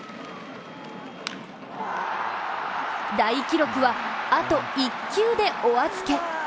大記録はあと１球でお預け。